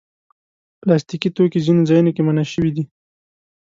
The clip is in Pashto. پلاستيکي توکي ځینو ځایونو کې منع شوي دي.